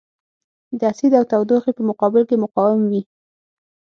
د اسید او تودوخې په مقابل کې مقاوم وي.